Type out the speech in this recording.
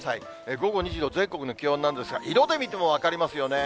午後２時の全国の気温なんですが、色で見ても分かりますよね。